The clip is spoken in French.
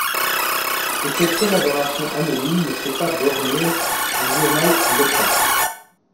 Et cette collaboration anonyme ne s'est pas bornée au journal Le Temps.